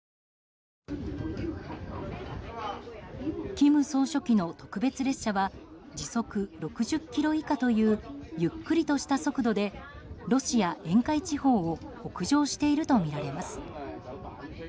金総書記の特別列車は時速６０キロ以下というゆっくりとした速度でロシア沿海地方を北上しているとみられます。